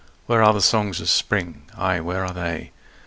Where are the songs of Spring? Ay, where are they?